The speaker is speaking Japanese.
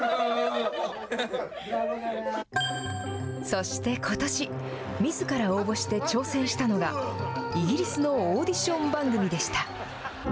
そしてことし、みずから応募して挑戦したのが、イギリスのオーディション番組でした。